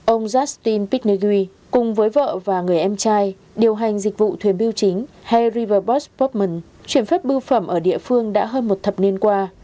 ông justin pitnagui cùng với vợ và người em trai điều hành dịch vụ thuyền bưu chính hay riverboss portman chuyển phát bưu phẩm ở địa phương đã hơn một thập niên qua